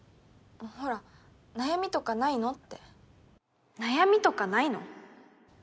ほら悩みとかないの？って悩みとかないの？